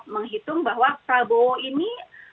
menghitung bahwa prabowo ini